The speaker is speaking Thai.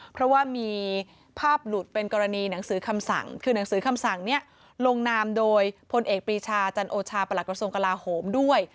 เพราะว่ามีภาพหลุดเป็นกรณีหนังสือคำสั่งคือหนังสือคำสั่งนี้ลงนามโดยพลเอกปรีชาจันโอชาประหลักกระทรวงกลาโหมด้วย